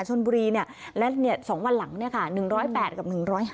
ชนบุรีและ๒วันหลังเนี่ยค่ะ๑๐๘กับ๑๕